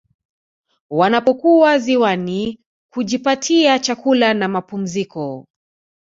Wanapokuwa ziwani kujipatia chakula na mapumziko